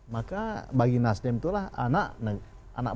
maka bagi nasdem itulah anak anak